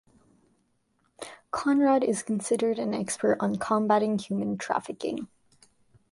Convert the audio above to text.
Konrad is considered an expert on combating human trafficking.